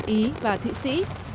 ý và thị sĩ